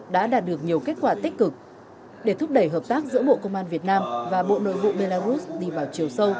đã đạt được nhiều kết quả tích cực để thúc đẩy hợp tác giữa bộ công an việt nam và bộ nội vụ belarus đi vào chiều sâu